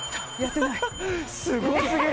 すごすぎる！